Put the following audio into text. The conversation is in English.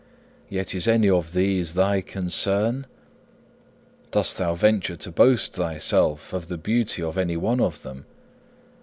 Yet is any of these thy concern? Dost thou venture to boast thyself of the beauty of any one of them?